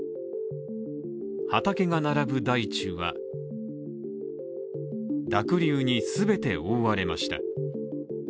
畑が並ぶ大地は濁流に全て覆われました。